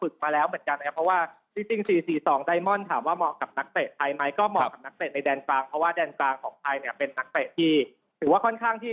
แดนกลางของพายเป็นนักเตะที่ถือว่าค่อนข้างที่